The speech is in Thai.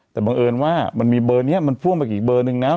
แต่บังเอิญว่ามันมีเบอร์นี้มันพ่วงไปอีกเบอร์นึงนะ